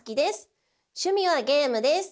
趣味はゲームです。